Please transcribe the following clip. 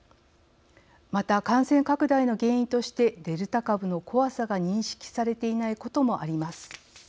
また、感染拡大の原因としてデルタ株の怖さが認識されていないこともあります。